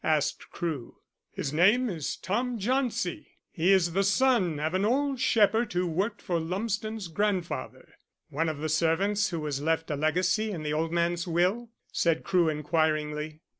asked Crewe. "His name is Tom Jauncey. He is the son of an old shepherd who worked for Lumsden's grandfather." "One of the servants who was left a legacy in the old man's will?" said Crewe inquiringly.